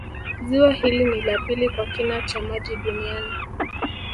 Ziwa hili ni la pili kwa kina cha maji duniani